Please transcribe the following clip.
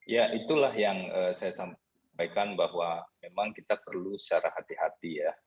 ya itulah yang saya sampaikan bahwa memang kita perlu secara hati hati ya